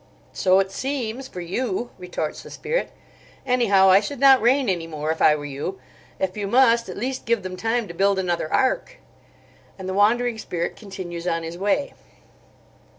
"So it seems—for you," retorts the Spirit. "Anyhow, I should not rain any more, if I were you. If you must, at least give them time to build another ark." And the Wandering Spirit continues on his way.